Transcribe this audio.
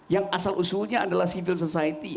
yang asal usulnya adalah civil society